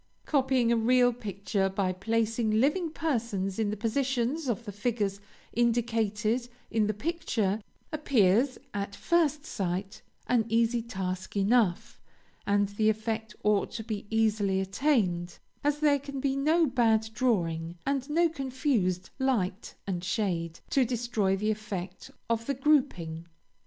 "Copying a real picture, by placing living persons in the positions of the figures indicated in the picture, appears, at first sight, an easy task enough; and the effect ought to be easily attained, as there can be no bad drawing, and no confused light and shade, to destroy the effect of the grouping.